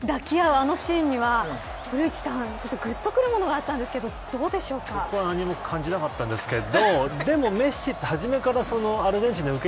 あのシーンには古市さん、ぐっとくるものがあったんですけど僕は何も感じなかったんですけど